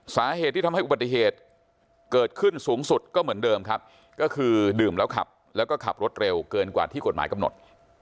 สาเหตุที่ทำให้อุบัติเหตุเกิดขึ้นสูงสุดก็เหมือนเดิมครับก็คือดื่มแล้วขับแล้วก็ขับรถเร็วเกินกว่าที่กฎหมายกำหนด